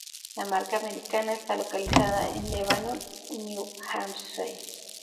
La marca americana está localizada en Lebanon, New Hampshire.